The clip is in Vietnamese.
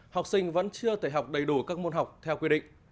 học sinh vẫn chưa thể học đầy đủ các môn học theo quy định